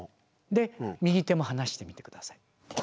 で右手も離してみて下さい。